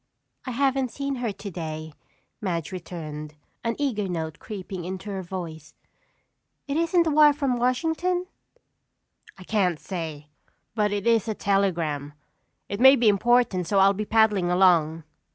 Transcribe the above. "I haven't seen her today," Madge returned, an eager note creeping into her voice. "It isn't a wire from Washington?" "I can't say, but it is a telegram. It may be important so I'll be paddling along."